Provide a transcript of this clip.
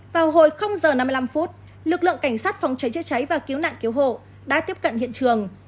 vào hồi giờ năm mươi năm phút lực lượng cảnh sát phòng cháy chữa cháy và cứu nạn cứu hộ đã tiếp cận hiện trường